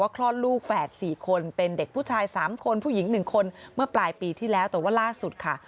คนผู้หญิงหนึ่งคนเมื่อปลายปีที่แล้วแต่ว่าล่าสุดค่ะ